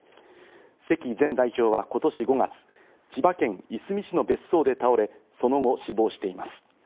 関前代表は今年５月、千葉県いすみ市の別荘で倒れ、その後、死亡しています。